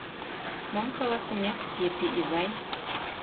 — Мом каласынет, Епи изай?